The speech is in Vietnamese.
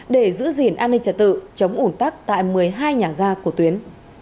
để giữ gìn an ninh trật tự chống ủn tắc tại một mươi hai nhà ga của tuyến